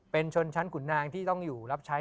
เป็นชนชั้นขุนนางที่ต้องอยู่รับใช้